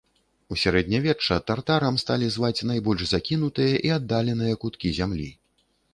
У сярэднявечча тартарам сталі зваць найбольш закінутыя і аддаленыя куткі зямлі.